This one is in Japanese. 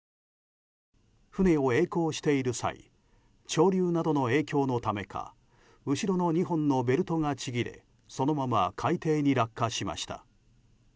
船を曳航している際潮流などの影響のためか後ろの２本のベルトがちぎれそのまま海底に落下しました。